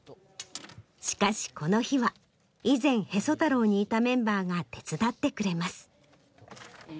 しかしこの日は以前「へそ太郎」にいたメンバーが手伝ってくれます。